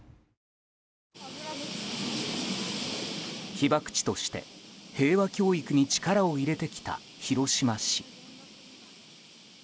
被爆地として平和教育に力を入れてきた広島市。